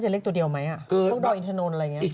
น่าจะเล็กตัวเดียวไหมเราดอยอินเทอร์โนนอะไรอย่างนี้